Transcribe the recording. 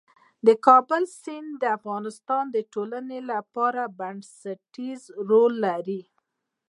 د کابل سیند د افغانستان د ټولنې لپاره بنسټيز رول لري.